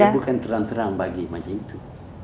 dia bukan terang terang bagi macam itu